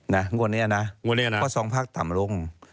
งวดเนี่ยนะเพราะสองภาคต่ำลง